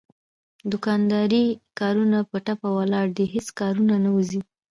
د دوکاندارۍ کارونه په ټپه ولاړ دي هېڅ کارونه نه وځي.